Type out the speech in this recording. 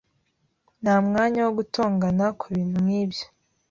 Nta mwanya wo gutongana kubintu nkibyo